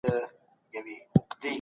ولي جاسوس ځان وژني ته مجبوريږي؟